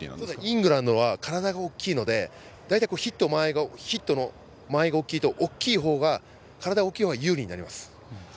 イングランドは体が大きいのでヒットの間合いが大きいと体が大きい方が有利となります。